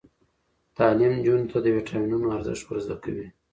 تعلیم نجونو ته د ویټامینونو ارزښت ور زده کوي.